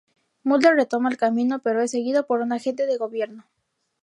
Mulder retoma el camino, pero es seguido por un agente del gobierno.